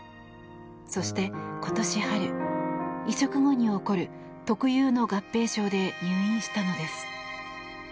そして今年春、移植後に起こる特有の合併症で入院したのです。